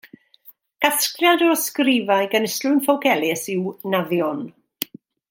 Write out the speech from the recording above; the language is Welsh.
Casgliad o ysgrifau gan Islwyn Ffowc Elis yw Naddion.